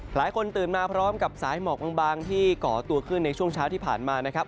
ตื่นมาพร้อมกับสายหมอกบางที่ก่อตัวขึ้นในช่วงเช้าที่ผ่านมานะครับ